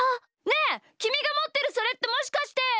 ねえきみがもってるそれってもしかして！